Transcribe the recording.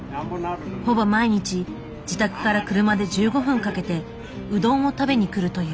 ほぼ毎日自宅から車で１５分かけてうどんを食べに来るという。